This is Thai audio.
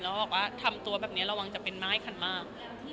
แล้วบอกว่าทำตัวแบบนี้ระวังจะเป็นไม้คันมาก